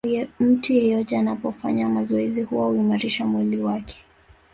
Mtu yeyote anapofanya mazoezi huwa huimarisha mwili wake